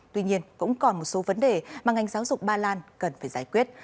tuy nhiên cũng còn một số vấn đề mà ngành giáo dục ba lan cần phải giải quyết